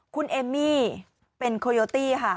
คุณเอมมี่เป็นโคโยตี้ค่ะ